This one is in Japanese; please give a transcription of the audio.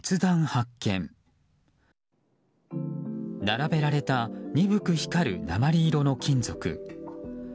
並べられた鈍く光る鉛色の金属。